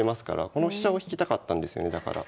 この飛車を引きたかったんですよねだから。